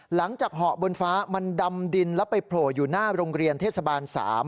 เห่าบนฟ้ามันดำดินแล้วไปโผล่อยู่หน้าโรงเรียนเทศบาล๓